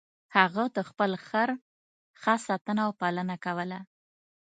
هغه د خپل خر ښه ساتنه او پالنه کوله.